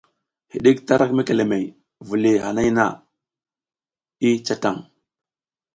Hiɗik tarak mekelemehey, viliy hanay na i ca tan.